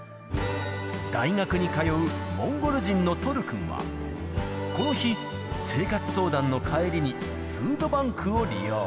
大学に通うモンゴル人のトル君は、この日、生活相談の帰りにフードバンクを利用。